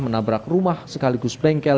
menabrak rumah sekaligus bengkel